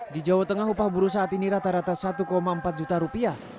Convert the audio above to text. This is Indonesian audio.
di jawa tengah upah buruh saat ini rata rata satu empat juta rupiah